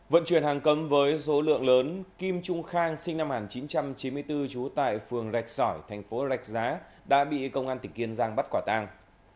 vận chuyển hàng cấm với số lượng lớn kim trung khang sinh năm một nghìn chín trăm chín mươi bốn trú tại phường rạch sỏi thành phố rạch giá đã bị công an tỉnh kiên giang bắt quả tàng